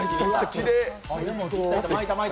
きれい！